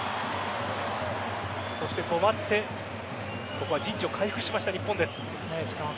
そして止まってここは陣地を回復しました日本です。